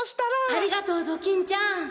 ありがとうドキンちゃん。